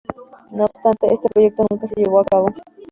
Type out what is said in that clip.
No obstante, este proyecto nunca se llevó a cabo.